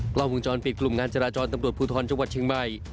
กล้องพุ่งชนปิดกลุ่มงานจราจรตำรวจภูทรเฉียงใหม่